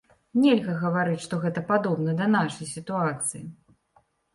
Нельга гаварыць, што гэта падобна да нашай сітуацыі.